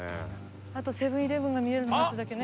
あとセブン−イレブンが見えるのを待つだけね。